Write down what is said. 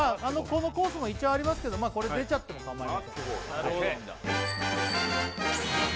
このコースも一応ありますけどこれ出ちゃってもかまいません